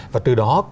và từ đó